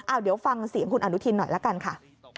เดี๋ยวฟังเสียงคุณอนุทินหน่อยละกันค่ะ